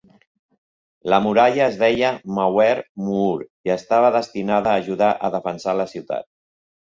La muralla es deia Mauer-muur i estava destinada a ajudar a defensar la ciutat.